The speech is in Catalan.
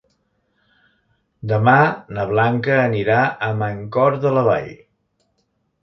Demà na Blanca anirà a Mancor de la Vall.